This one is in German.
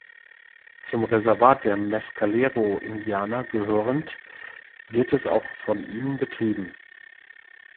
Zum Reservat der Mescalero-Indianer gehörend, wird es auch von ihnen betrieben.